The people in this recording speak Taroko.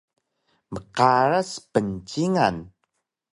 Mqaras pncingan